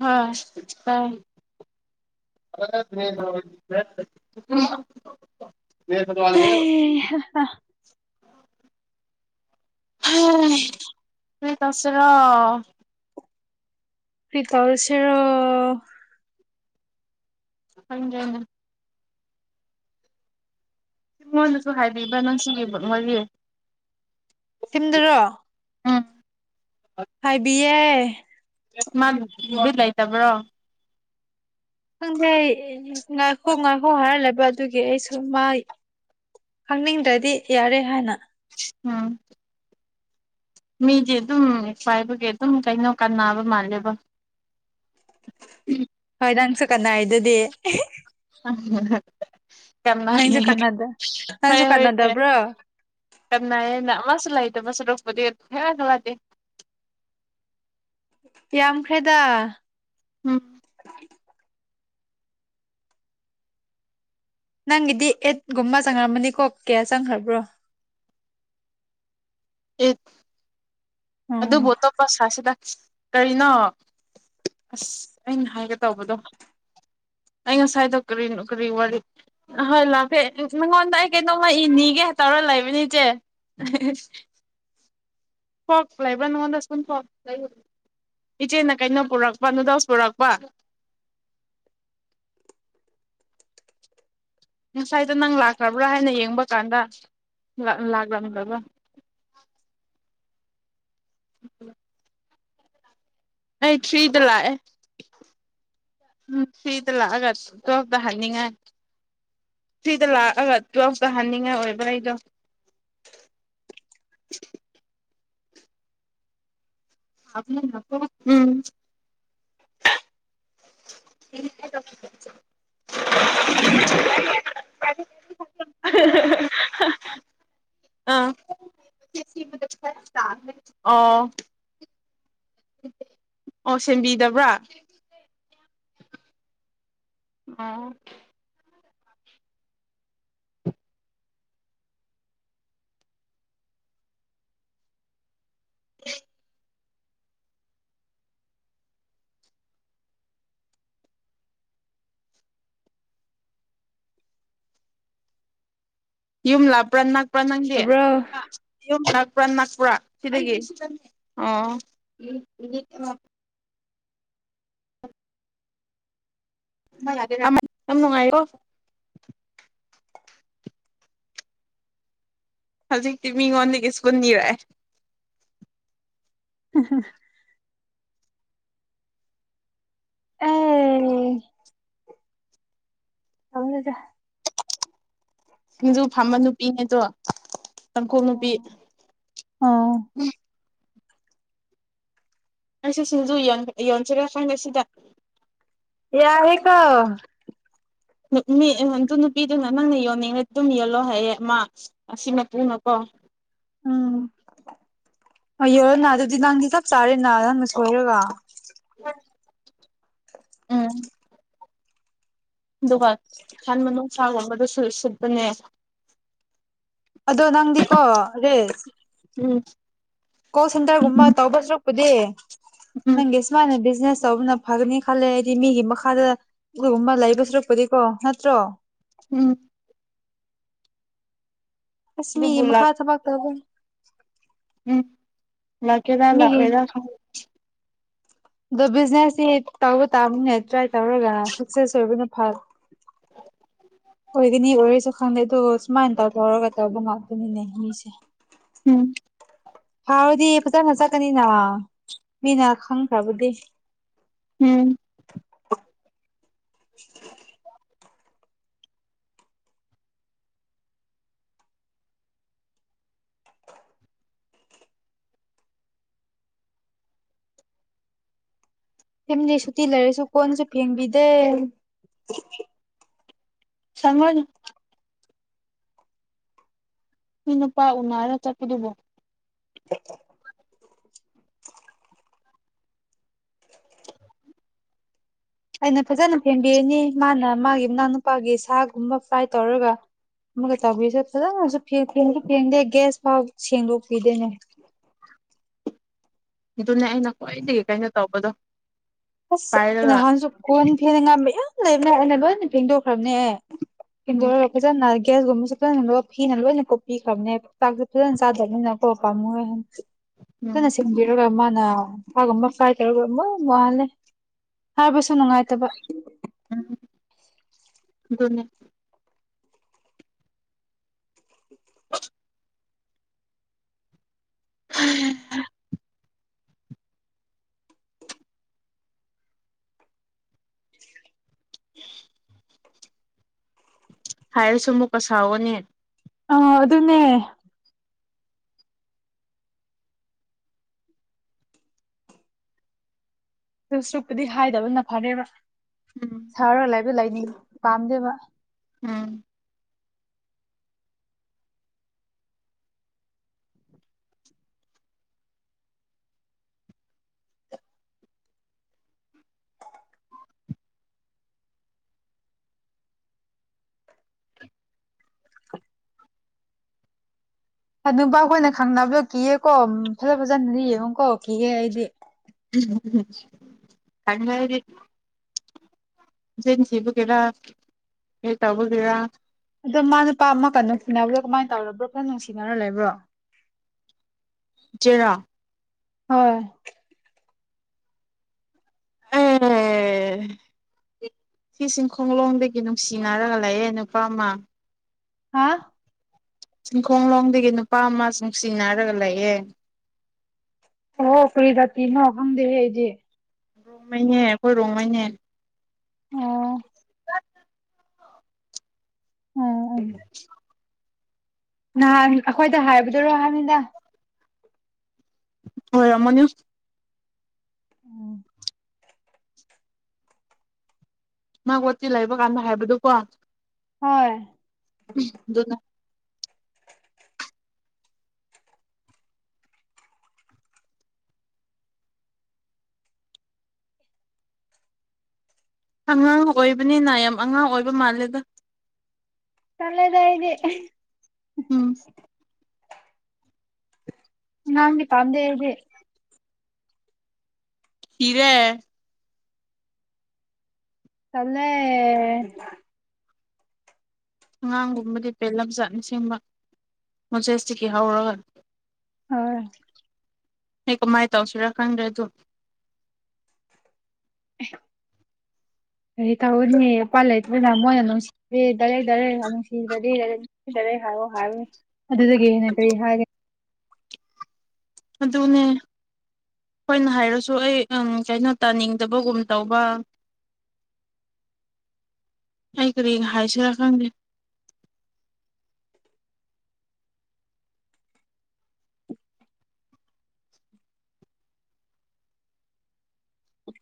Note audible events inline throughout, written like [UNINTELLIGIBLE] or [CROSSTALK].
ꯍꯥ ꯇꯥꯢ [INAUDIBLE] [UNINTELLIGIBLE] ꯍꯥꯢ ꯀꯔꯤ ꯇꯧꯁꯤꯔꯥ ꯀ꯭ꯔꯤꯇꯥꯜ ꯁꯔꯣ ꯍꯗꯅ ꯑꯩꯉꯣꯟꯗꯁꯨ ꯍꯥꯏꯕꯤꯕ ꯅꯨꯡꯁꯤꯒꯤ ꯋꯥꯔꯤ ꯁꯤꯝꯗꯔꯣ ꯎꯝ ꯍꯥꯏꯥꯏꯕꯤꯌꯦ ꯃꯥ ꯕꯤꯠ ꯂꯩꯇꯕ꯭ꯔꯣ ꯈꯪꯗꯦ ꯑꯩ ꯑꯦ ꯉꯥꯏꯈꯣ ꯉꯥꯏꯈꯣ ꯍꯥꯢꯔ ꯂꯩꯕ ꯑꯗꯨꯒꯤ ꯑꯩꯁꯨ ꯃꯥ ꯈꯪꯅꯤꯡꯗ꯭ꯔꯗꯤ ꯌꯥꯔꯦ ꯍꯥꯏꯅ ꯎꯝ ꯃꯤꯗꯤ ꯑꯗꯨꯝ ꯈꯥꯏꯕꯒꯤ ꯑꯗꯨꯝ ꯀꯩꯅꯣ ꯀꯥꯟ ꯅꯥꯕ ꯃꯥꯜꯂꯦꯕ ꯍꯣꯏ ꯅꯪꯁꯨ ꯀꯅꯥ ꯍꯩꯗꯨꯗꯤ ꯎ [UNINTELLIGIBLE] ꯅꯥꯏꯌꯦ ꯀꯥꯟꯅꯗ ꯅꯪꯁꯨ ꯍꯣꯏ ꯍꯣꯏ ꯀꯥꯟꯅꯗꯕ꯭ꯔꯣ ꯀꯅꯥꯏꯌꯦ ꯑꯃꯥꯁꯨ ꯂꯩꯥꯏ [UNINTELLIGIBLE] ꯌꯥꯝꯈ꯭ꯔꯦꯗ ꯎꯝ ꯅꯪꯒꯤꯗꯤ ꯑꯦꯠꯒꯨꯝꯕ ꯆꯪꯉꯔꯝꯃꯅꯤꯀꯣ ꯀꯌꯥ ꯆꯪꯈ꯭ꯔꯕ꯭ꯔꯣ ꯑꯦ ꯑꯣ ꯑꯗꯨꯕꯣ ꯑꯇꯣꯄ ꯁꯁꯤꯗ ꯀꯔꯤꯅꯣ ꯑꯁ ꯑꯩꯅ ꯍꯥꯏꯒꯦ ꯇꯧꯕꯗꯣ ꯑꯩ ꯉꯁꯥꯏꯗꯣ ꯀꯔꯤꯅꯣ ꯀꯔꯤ ꯋꯥꯔꯤꯍꯣꯏ ꯂꯥꯛꯀꯦ ꯅꯪꯉꯣꯟꯗ ꯑꯩ ꯀꯩꯅꯣꯝꯃ ꯏ ꯅꯤꯒꯦ ꯍꯥꯏ ꯇꯧꯔ ꯂꯩꯕꯅꯤ ꯏꯆꯦ ꯐꯣꯛ ꯂꯩꯕ ꯅꯉꯣꯟꯗꯨ ꯏꯆꯦꯅ ꯀꯩꯅꯣ ꯄꯨꯔꯛꯄ ꯅꯨꯗꯜꯁ ꯄꯨꯔꯛꯄ ꯉꯁꯥꯏꯗ ꯅꯪ ꯂꯥꯛꯈ꯭ꯔꯕ꯭ꯔꯥ ꯍꯥꯏꯅ ꯌꯦꯡꯕ ꯀꯥꯟꯗ ꯂꯥꯛꯂꯝꯗ꯭ꯔꯕ ꯎꯝ [UNINTELLIGIBLE] ꯑꯩ ꯊ꯭ꯔꯤꯗ ꯂꯥꯛꯑꯦ ꯎꯝ ꯊ꯭ꯔꯤꯗ ꯂꯥꯛꯑꯒ ꯇꯨꯋꯜꯐꯇ ꯍꯥꯏꯅꯤꯡꯉꯥꯏ ꯊ꯭ꯔꯤꯗ ꯂꯥꯛꯑꯒ ꯇꯨꯋꯦꯜꯐꯇ ꯍꯟꯅꯤꯡꯉꯥꯏ ꯑꯣꯏꯕ ꯑꯩꯗꯣ ꯎꯝ ꯑ ꯑ [UNINTELLIGIBLE] ꯑꯣ ꯁꯦꯝꯕꯤꯗꯕ꯭ꯔꯥ ꯑ ꯌꯨꯝꯂꯥꯛꯄ꯭ꯔ ꯅꯛ ꯇꯥꯕ꯭ꯔꯣ [UNINTELLIGIBLE] ꯄ꯭ꯔꯥꯟꯅꯥꯛꯄꯔꯥ ꯁꯤꯗꯒꯤ ꯑꯣ ꯁꯝꯅꯉꯣ [UNINTELLIGIBLE] ꯍꯧꯖꯤꯛꯇꯤ ꯃꯤꯉꯣꯟꯗꯒꯤ ꯏꯁꯀꯨꯟ ꯅꯤꯔꯦ [INAUDIBLE] ꯑꯦ ꯈꯪꯗꯦꯗ ꯃꯗꯨ ꯐꯝꯕ ꯅꯨꯄꯤꯅꯦꯗꯣ ꯇꯥꯡꯈꯨꯜ ꯅꯨꯄꯤ ꯑꯣ ꯑꯩꯪꯁꯨ ꯁꯤꯡꯖꯨ ꯌꯣꯟꯁꯤꯔꯦ ꯈꯪꯗꯦ ꯁꯤꯗ ꯌꯥꯏꯍꯦꯀꯣ ꯃꯤ ꯑꯗꯨ ꯅꯨꯄꯤꯗꯨꯅ ꯅꯪꯅ ꯌꯣꯟꯅꯤꯡꯉ ꯑꯗꯨꯝ ꯌꯣꯜꯂꯣ ꯍꯥꯏꯌꯦ ꯃꯥ ꯑꯁꯤ ꯃꯄꯨꯅꯀꯣ ꯎꯝ ꯌꯧꯔꯦꯅꯥ ꯑꯗꯨꯗꯤ ꯅꯪꯗꯤ ꯆꯞ ꯆꯥꯔꯦꯅ ꯅꯪꯅ ꯁꯣꯏꯔꯒ ꯑ [UNINTELLIGIBLE] ꯎꯝ ꯑꯗꯨꯒ ꯑꯍꯟꯅꯨꯡꯁꯥꯒꯨꯝꯕꯗ ꯁ ꯤꯠꯄꯅꯦ ꯑꯗꯣ ꯅꯪꯗꯤꯀꯣ ꯔꯦꯁ ꯎꯝ ꯀꯣꯜ ꯁꯦꯟꯇꯔꯒꯨꯝꯕ ꯇꯧꯕꯁꯨ ꯄꯨꯗꯤ ꯎꯝ ꯅꯪ ꯁꯨꯃꯥꯟꯅ ꯕꯤꯖꯤꯅꯦꯁ ꯇꯧꯕꯅ ꯐꯒꯅꯤ ꯈꯜꯂꯦ ꯍꯥꯏꯗꯤ ꯃꯤꯒꯤ ꯃꯈꯥꯗ ꯨꯝꯕ ꯂꯩꯕ ꯁꯨꯔꯛꯄꯗꯤꯀꯣ ꯅꯠꯇ꯭ꯔꯣ ꯎꯝ ꯑꯁꯃꯤ ꯑꯗꯨꯕꯨ ꯂꯥꯛ ꯃꯈꯥ ꯊꯕꯛ ꯇꯧꯕ ꯂꯥꯛ ꯀꯦꯔꯥ ꯂꯥꯛ ꯑꯣꯏꯔ ꯑꯗꯣ ꯕꯤꯖꯤꯅꯦꯁꯁꯤ ꯇꯧꯕ ꯇꯥꯕꯅꯤꯅꯦ ꯇ꯭ꯔꯥꯏ ꯇꯧꯔꯒꯅ ꯁꯛꯁꯦꯁ ꯑꯣꯏꯕꯅ ꯐ ꯍꯣꯏꯗꯤꯅꯤ ꯑꯣꯏꯔꯁꯨ ꯈꯪꯗꯦ ꯑꯗꯨ ꯁꯨꯃꯥꯏꯅ ꯇꯧꯗ ꯂꯧꯔꯒ ꯇꯧꯕ ꯉꯥꯛꯇꯅꯤꯅꯦ ꯃꯤꯁꯦ ꯎꯝ ꯐꯔꯗꯤ ꯐꯖꯅ ꯆꯠꯀꯅꯤꯅ ꯃꯤꯅ ꯈꯪꯈ꯭ꯔꯕꯗꯤ ꯎꯝ [INAUDIBLE] [UNINTELLIGIBLE] ꯎ [INAUDIBLE] [UNINTELLIGIBLE] ꯊꯝꯗꯤ ꯁꯨꯇꯤ ꯂꯩꯔꯁꯨ ꯀꯣꯟꯁꯨ ꯐꯦꯡꯕꯤꯗꯦ ꯁꯅꯤ [UNINTELLIGIBLE] ꯃꯤ ꯅꯨꯄꯥ ꯎꯅꯔ ꯆꯠꯄꯗꯨꯕꯣ [INAUDIBLE] [UNINTELLIGIBLE] ꯑꯩꯅ ꯐꯖꯅ ꯐꯦꯡꯕꯤꯅꯤ ꯃꯥꯅ ꯃꯥꯒꯤ ꯃꯅꯥꯎꯅꯨꯄꯥꯒꯤ ꯁꯥꯒꯨꯝꯕ ꯐ꯭ꯔꯥꯏ ꯇꯧꯔꯒ ꯑꯃꯒ ꯇꯧꯕꯤꯁꯦ ꯐꯖꯅꯁꯨꯁꯨ ꯐꯦꯡꯗꯦ ꯒ꯭ꯌꯥꯁ ꯐꯥꯎ ꯁꯦꯡꯗꯣꯛꯄꯤꯗꯦꯅꯦ ꯑꯗꯨꯅꯦ ꯑꯩꯅ ꯈ꯭ꯋꯥꯏꯗꯒꯤ ꯀꯩꯅꯣ ꯇꯧꯕꯗꯣ ꯑꯁ ꯄꯥꯏꯔꯒ ꯅꯍꯥꯟꯁꯨ ꯀꯣꯟꯟ ꯐꯦꯡ ꯒ ꯃꯌꯥꯝ ꯂꯩꯕꯅꯦ ꯑꯩꯅ ꯂꯣꯏꯅ ꯐꯦꯡꯗꯣꯛꯈ꯭ꯔꯕꯅꯦ ꯀꯤꯟ ꯗꯣ ꯎꯝ ꯐꯖꯅꯥ ꯒ꯭ꯌꯥꯁꯒꯨꯝꯕꯁꯦ ꯐꯖꯅ ꯂ ꯐꯤꯅ ꯂꯣꯏꯅ ꯀꯣꯛꯄꯤꯈ꯭ꯔꯕꯅꯦ ꯆꯥꯛꯁꯦ ꯐꯖꯅ ꯆꯥꯗꯕꯅꯤꯅꯀꯣ ꯄꯥꯝꯃꯣꯏ ꯍꯟ ꯎꯝ ꯐꯖꯅꯥ ꯁꯦꯝꯕꯤꯔꯒꯥ ꯃ ꯑ ꯐꯥꯒꯝꯕ ꯐꯥꯏ ꯇꯔꯝꯕ ꯃꯉꯂꯦ [UNINTELLIGIBLE] ꯍꯥꯏꯕꯁꯨ ꯅꯨꯡꯉꯥꯏꯇꯕ ꯎꯝ ꯑꯗꯨ [INAUDIBLE] [UNINTELLIGIBLE] [INAUDIBLE] [UNINTELLIGIBLE] ꯍꯥꯏꯔꯁꯨ ꯑꯃꯨꯛꯀ ꯁꯥꯎꯒꯅꯦ ꯑ ꯑꯗꯨꯅꯦ ꯑꯗꯨ ꯁꯨꯛꯄꯨꯗꯤ ꯍꯥꯏꯗꯕꯅ ꯐꯔꯦꯕ ꯎꯝ ꯁꯔ ꯂꯥꯏ ꯑꯗꯨ ꯂꯩꯗꯤ ꯄꯥꯝꯗꯦꯕ ꯎꯝ ꯅꯨꯄꯥ ꯑꯩꯈꯣꯏꯅ ꯈꯪꯅꯕꯗꯣ ꯀꯤꯌꯦꯦꯀꯣ ꯐꯖ ꯐꯖꯅꯗꯤ ꯌꯦꯡꯉꯣꯀꯣ ꯀꯤꯑꯦ ꯑꯩꯗꯤ ꯖꯟꯁꯤꯕꯨꯒꯦꯔ ꯍꯦꯇꯕꯨꯒꯦꯔ ꯑꯗꯣ ꯃꯥ ꯅꯨꯄꯥ ꯑꯃ ꯀꯩꯅꯣꯁꯤꯅꯕꯗ ꯀꯃꯥꯏꯅ ꯇꯧꯔꯕ꯭ꯔꯣ ꯈꯔ ꯅꯨꯡꯁꯤꯅꯔ ꯂꯩꯕ꯭ꯔꯣ ꯆꯩꯔꯥ ꯍꯣꯏ ꯑꯦ ꯁꯤ ꯆꯤꯡ ꯈꯣꯡꯂꯣꯡꯗꯒꯤ ꯅꯨꯡꯁꯤꯅꯔꯒ ꯂꯥꯛꯑꯦ ꯅꯨꯄꯥ ꯑꯃ ꯍꯥꯥ ꯆꯤꯡꯈꯣꯡꯂꯣꯡꯗꯒꯤ ꯅꯨꯄꯥ ꯑꯃ ꯅꯨꯡꯁꯤꯅꯔꯒ ꯂꯩꯑꯦ ꯑꯣ ꯀꯔꯤꯗ ꯖꯥꯇꯤꯅꯣ ꯈꯪꯗ ꯑꯩꯗꯤ ꯔꯣꯡꯃꯩꯅꯦ ꯑꯩꯈꯣꯏ ꯔꯣꯡꯃꯩꯅꯦ [INAUDIBLE] ꯑꯣ [UNINTELLIGIBLE] ꯎꯝ ꯎꯝ ꯅꯍꯥꯟ ꯑꯩꯈꯣꯏꯗ ꯍꯥꯏꯕꯗꯨꯔꯣ ꯍꯥꯏꯅꯤꯗ ꯍꯣꯏ ꯑꯃꯅ ꯎꯝ ꯃꯥꯒꯣꯠꯇꯤ ꯂꯩꯕ ꯀꯥꯟꯗ ꯍꯥꯏꯕꯗꯨꯀꯣ ꯍꯣꯏ ꯑꯗꯨꯅ ꯑꯉꯥꯡ ꯑꯣꯏꯕꯅꯤꯅ ꯌꯥꯝ ꯑꯉꯥꯡ ꯑꯣꯏꯕ ꯃꯥꯜꯂꯦꯗ ꯇꯜꯂꯦꯗ ꯑꯩꯗꯤ ꯎꯝ ꯄꯝꯗꯦ ꯑꯩꯗꯤ ꯏꯔꯦ ꯇꯜꯂꯦ ꯑꯉꯥꯡꯒꯨꯝꯕꯗꯤ ꯄꯦꯜꯂꯝꯖꯥꯠꯅꯆꯤꯡꯕ ꯃꯣꯖꯦꯁꯇꯒꯤ ꯍꯧꯔꯒ ꯍꯣꯏ ꯀꯃꯥꯏꯅ ꯇꯧꯁꯤꯔꯥ ꯈꯪꯗ꯭ꯔꯦ ꯑꯗꯨ ꯀꯔꯤ ꯇꯧꯔꯅꯤ ꯎꯄꯥꯏ ꯂꯩꯇꯕꯅ ꯃꯣꯏꯅ ꯅꯨꯡꯁꯤꯔꯥꯗꯤ ꯗꯥꯏꯔꯦꯛ ꯗꯥꯏꯔꯦꯛ ꯍꯥꯏ ꯅꯨꯡꯁꯤꯗ꯭ꯔꯗꯤ ꯅꯨꯡꯁꯤꯔꯦ ꯍꯥꯏꯔꯣ ꯍꯥꯏꯕꯅꯤ ꯑꯗꯨꯗꯒꯤ ꯍꯦꯟꯅ ꯀꯔꯤ ꯍꯥꯏꯒꯦ ꯑꯗꯨꯅꯦ ꯃꯣꯏꯅ ꯍꯥꯏꯔꯁꯨ ꯑꯩ ꯀꯩꯅꯣ ꯇꯥꯅꯤꯡꯗꯕꯒꯨꯝ ꯇꯧꯕ ꯑꯩ ꯀꯔꯤ ꯍꯥꯏꯁꯤꯔꯥ ꯈꯪꯗꯦ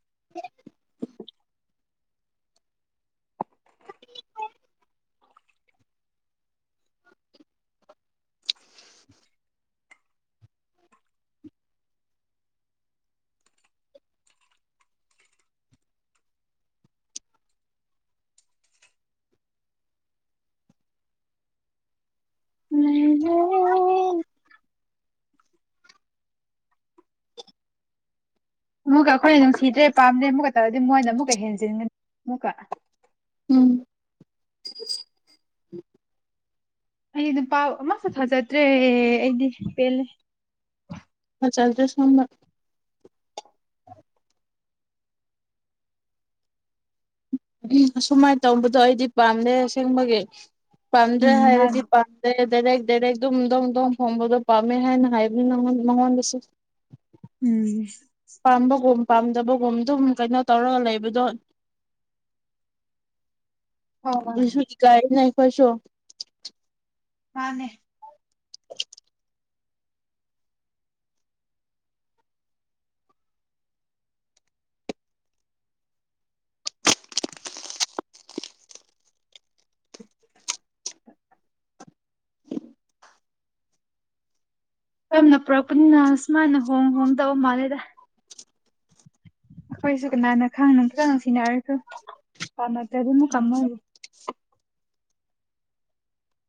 [INAUDIBLE] ꯂꯩꯔꯦ꯫ ꯑꯃꯨꯛꯀ ꯑꯩꯈꯣꯏꯅ ꯅꯨꯡꯁꯤꯗ꯭ꯔꯦ ꯄꯥꯝꯗ꯭ꯔꯦ ꯑꯃꯨꯛꯀ ꯇꯧꯔꯗꯤ ꯃꯣꯏꯅ ꯑꯃꯨꯛꯀ ꯍꯦꯟꯖꯤꯟꯒꯅꯤ ꯑꯃꯨꯛꯀ ꯎꯝ ꯑꯩ ꯃꯨꯄꯥ ꯑꯃꯁꯨ ꯊꯖꯗ꯭ꯔꯦ ꯑꯩꯗꯤ ꯄꯦꯜꯂꯦ ꯆꯠꯗ ꯁꯝꯅ [UNINTELLIGIBLE] ꯎ ꯑꯁꯨꯃꯥꯏꯅ ꯇꯧꯕꯗꯣ ꯑꯩꯗꯤ ꯄꯥꯝꯗ ꯑꯁꯦꯡꯕꯒꯤ ꯄꯗ꯭ꯔ ꯍꯥꯏꯔꯗꯤ ꯃꯥꯅꯤ ꯄꯗ꯭ꯔꯦ ꯗꯥꯏꯔꯦꯛ ꯗꯥꯏꯔꯦꯛ ꯑꯗꯨꯝꯝꯗꯪꯝꯗꯪ ꯍꯣꯡꯕꯗꯣ ꯄꯥꯝꯃꯦ ꯍꯥꯏꯅ ꯍꯥꯏꯕꯅꯤ ꯅꯉꯣꯟꯗꯁꯨ ꯎꯝ ꯄꯥꯟꯕ ꯒꯨꯝ ꯄꯥꯝꯗꯕꯒꯨꯝ ꯑꯗꯨꯝ ꯀꯩꯅꯣ ꯇꯧꯔꯒ ꯂꯩꯕꯗꯣ ꯍꯣꯏ ꯍꯣꯏ ꯏꯁꯨ ꯏꯀꯥꯏꯕꯅꯦ ꯈꯣꯏꯁꯨ ꯃꯥꯟꯅꯦ ꯌꯥꯝꯅ ꯄꯨꯔꯛꯄꯅꯤꯅ ꯁꯨꯃꯥꯏꯅ ꯍꯣꯡ ꯍꯣꯡꯗꯕ ꯃꯥꯜꯂꯦꯗ ꯑꯩꯈꯣꯏꯁꯨ ꯀꯅꯥꯅ ꯈꯪ ꯈꯤꯇꯪ ꯅꯨꯡꯁꯤꯅꯔꯁꯨ ꯄꯥꯝꯃꯛꯇ ꯑꯗꯨꯅ ꯀꯃ ꯑꯣꯏ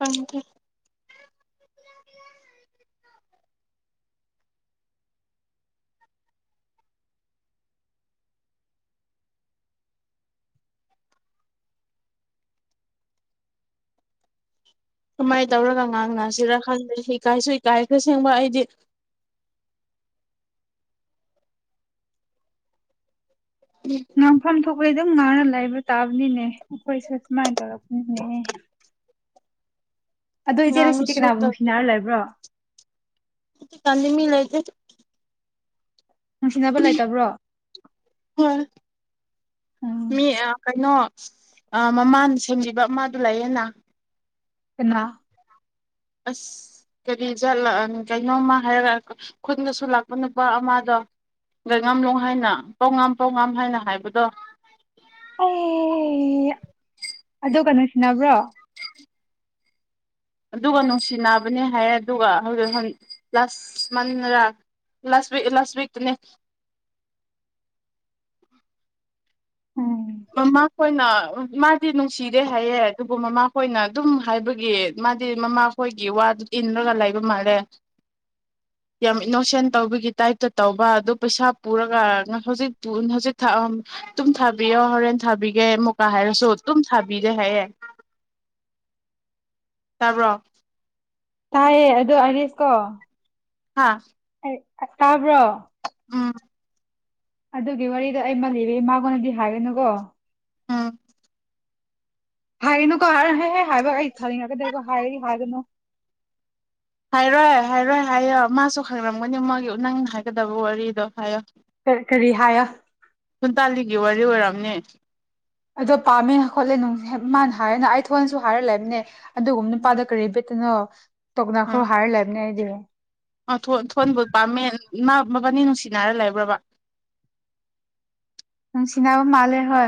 ꯑ [UNINTELLIGIBLE] ꯀꯃꯥꯏꯅ ꯇꯧꯔꯒ ꯉꯥꯡꯅꯁꯤꯔꯥ ꯈꯪꯗꯦ ꯏꯀꯥꯏꯁꯨ ꯏꯀꯥꯏꯈ꯭ꯔ ꯑꯁꯦꯡꯕ ꯑꯩꯗꯤ ꯉꯪ ꯐꯝ ꯊꫭꯛ ꯑꯩꯈꯣꯏ ꯑꯗꯨꯝ ꯉꯥꯡꯅ ꯂꯩꯥꯏꯕ ꯇꯥꯕꯅꯤꯅꯦ ꯑꯩꯈꯣꯏꯁꯨ ꯁꯨꯃꯥꯏꯅ ꯇꯧꯔꯛꯄꯅꯤꯅꯦ ꯑꯗꯣ ꯏꯆꯦ ꯂꯁꯤꯗꯤ ꯉꯥꯡꯉꯁꯨ ꯀꯅꯥꯒꯨꯝ ꯁꯤꯟꯅꯔ ꯂꯩꯕ꯭ꯔꯣ ꯇꯜꯂꯦ ꯃꯤ ꯂꯩꯇꯦ ꯅꯨꯡꯁꯤꯅꯕ ꯂꯩꯇꯕ꯭ꯔꯣ ꯍꯣꯏ ꯎꯝ ꯃꯤ ꯀꯩꯅꯣ ꯃꯃꯥ ꯁꯦꯝꯕꯤꯕ ꯑꯃꯗꯨ ꯂꯩꯌꯦꯅ ꯑ [UNINTELLIGIBLE] ꯑꯁ ꯀꯔꯤꯠꯂ ꯀꯩꯅꯣꯝꯃ ꯍꯥꯏꯔꯒ ꯈꯨꯟꯗꯁꯨ ꯂꯥꯛꯄ ꯅꯨꯄꯥ ꯑꯃꯗꯣ ꯉꯥꯝꯂꯣ ꯍꯥꯏꯅ ꯄꯥꯎ ꯉꯥꯝ ꯄꯥꯎ ꯉꯥꯝ ꯍꯥꯏꯅ ꯍꯥꯏꯕꯗꯣ ꯑꯣ ꯑꯗꯨꯒ ꯅꯨꯡꯁꯤꯅꯕ꯭ꯔꯣ ꯑꯗꯨꯒ ꯅꯨꯡꯁꯤꯅꯕꯅꯦ ꯍꯥꯏꯌꯦ ꯑꯗꯨꯒ ꯍꯧꯖꯤꯛ ꯂꯥꯁ ꯃꯟꯔ ꯂꯥꯁ ꯋꯤ ꯂꯥꯁ ꯋꯤꯛꯇꯅꯤ ꯎꯝ ꯃꯃꯥ ꯍꯣꯏꯅ ꯃꯥꯗꯤ ꯅꯨꯡꯁꯤꯔꯦ ꯍꯥꯏꯌꯦ ꯑꯗꯨꯕꯨ ꯃꯃꯥ ꯍꯣꯏꯅ ꯑꯗꯨꯝ ꯍꯥꯏꯕꯒꯤ ꯃꯥꯗꯤ ꯃꯃꯥꯈꯣꯏꯒꯤ ꯋꯥꯗꯨ ꯏꯟꯔꯒ ꯂꯩꯕ ꯃꯥꯜꯂꯦ ꯌꯥꯝ ꯏꯅꯣꯁꯦꯟ ꯇꯧꯕꯒꯤ ꯇꯥꯏꯞꯇ ꯇꯧꯕ ꯑꯗꯨ ꯄꯩꯁꯥ ꯄꯨꯔꯒ ꯍꯧꯖꯤꯛ ꯍꯧꯖꯤꯛ ꯑꯗꯨꯝ ꯊꯥꯕꯤꯌꯣ ꯍꯣꯔꯦꯟ ꯊꯥꯕꯤꯒꯦ ꯃꯨꯀꯥ ꯍꯥꯏꯔꯁꯨ ꯇꯨꯝ ꯊꯥꯕꯤꯔꯦ ꯍꯥꯏꯌꯦꯦ ꯇꯥꯕ꯭ꯔꯣ ꯇꯥꯏꯌꯦ ꯑꯗꯣ ꯑꯔꯤꯁ ꯀꯣ ꯍꯥꯥ ꯇꯥꯕ꯭ꯔꯣ ꯎꯝ ꯑꯗꯨꯒꯤ ꯋꯥꯔꯤꯗꯣ ꯑꯩ ꯃꯜꯂꯤꯕꯤꯒꯦ ꯃꯥꯉꯣꯟꯅꯗꯤ ꯍꯥꯏꯒꯅꯨꯀꯣ ꯑꯝ ꯍꯥꯏꯔꯤꯅꯨꯀꯣ ꯍꯦꯍꯦ ꯍꯥꯏꯕ ꯑꯩ ꯊꯥꯅꯤꯡꯉꯛꯀꯗꯀꯣ ꯍꯥꯏꯔꯤ ꯍꯥꯏꯒꯅꯨ ꯍꯥꯏꯔꯣꯏ ꯍꯥꯏꯔꯣꯏ ꯍꯥꯏꯌꯣ ꯃꯥꯁꯨ ꯈꯪꯔꯝꯒꯅꯤ ꯃꯣꯏꯒꯤ ꯅꯪ ꯍꯥꯏꯒꯗꯕ ꯋꯥꯔꯤꯗꯣ ꯍꯥꯏꯌꯣ ꯀ ꯀꯔꯤꯍꯥꯏꯌꯥ ꯑꯗꯨ ꯑꯣꯏꯔꯝꯅꯦ ꯑꯗꯣ ꯄꯥꯝꯃꯦ ꯈꯣꯠꯂꯦ ꯅꯨꯡ ꯃꯥꯅ ꯍꯥꯏꯔꯅ ꯑꯩ ꯊꯣꯟꯅꯁꯨ ꯍꯥꯏꯔ ꯂꯩꯕꯅꯦ ꯑꯗꯨꯒꯨꯝꯕ ꯅꯨꯄꯥꯗ ꯀꯔꯤ ꯕꯦꯠꯇꯅꯣ ꯇꯣꯛꯅꯥꯈ꯭ꯔꯣ ꯎꯝ ꯍꯥꯏꯔ ꯂꯩꯕꯅꯦ ꯑꯩꯗꯤ ꯊꯣꯟꯕꯨ ꯄꯥꯝꯃꯦ ꯏꯃꯥ ꯃꯕꯥꯅꯤ ꯅꯨꯡꯁꯤꯅꯔ ꯂꯩꯕ꯭ꯔꯕ ꯅꯤꯡꯁꯅꯅꯥꯕꯨ ꯃꯜꯦ ꯍꯥꯏ